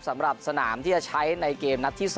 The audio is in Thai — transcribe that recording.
สำหรับสนามที่จะใช้ในเกมนัดที่๒